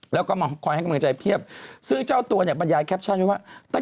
แล้วก็มาคอยให้กำลังใจเพียบซึ่งเจ้าตัวเนี่ยบรรยายแคปชั่นไว้ว่า